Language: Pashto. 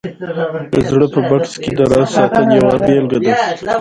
د زړه په بکس کې د راز ساتل یوه بېلګه ده